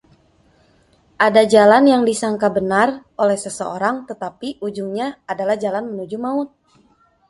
Ada jalan yang disangka benar oleh seseorang, tetapi ujungnya adalah jalan menuju maut.